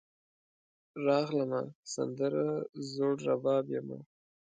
راغلمه , سندره زوړرباب یمه